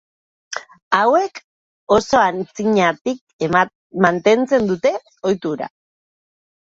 Hauek, oso antzinatik mantentzen dute ohitura hau.